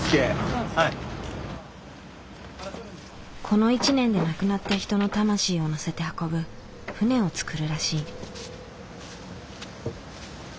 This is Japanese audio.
この１年で亡くなった人の魂を乗せて運ぶ船を作るらしい。